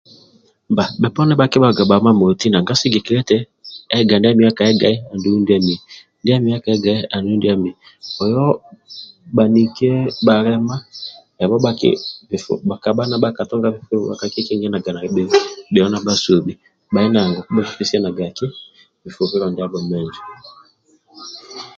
Bba bhoponi bhakibhaga bha mamoti nanga sigikilia eti ega ndia mioyo aka egai andulu ndia miyo ndia miyo aka egai andulu ndia amiyo oyo bhaniki bhalema ebho bhali bhakabha nibha katunga bifubilo bhakakikingananga na bheo bheo nibhasobhi bhali nangoku bhakipesianaga bifubilo ndiabho menjo